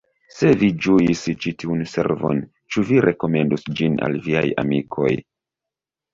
"Se vi ĝuis ĉi tiun servon ĉu vi rekomendus ĝin al viaj amikoj!